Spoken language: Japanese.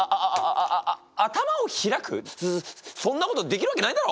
そそんなことできるわけないだろ！？